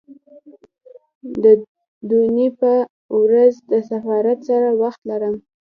د دونۍ په ورځ د سفارت سره وخت لرم